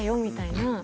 みたいな。